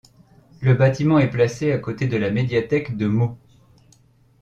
Le bâtiment est placé à côté de la médiathèque de Meaux.